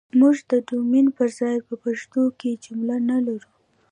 موږ ده ډومين پر ځاى په پښتو کې که جمله نه لرو